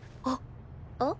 あっ。